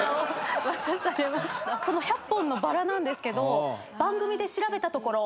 その１００本のバラなんですけど番組で調べたところ。